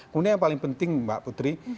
kemudian yang paling penting mbak putri